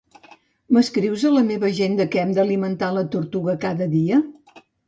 M'escrius a la meva agenda que hem d'alimentar la tortuga cada dia?